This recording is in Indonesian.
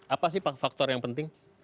apa sih pak faktor yang penting